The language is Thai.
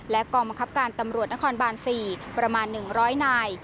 กองบังคับการตำรวจนครบาน๔ประมาณ๑๐๐นาย